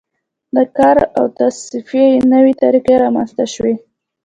د کار او تصفیې نوې طریقې رامنځته شوې.